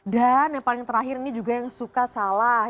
dan yang paling terakhir ini juga yang suka salah